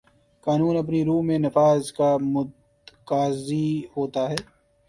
قانون اپنی روح میں نفاذ کا متقاضی ہوتا ہے